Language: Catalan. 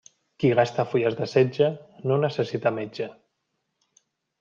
Qui gasta fulles de setge no necessita metge.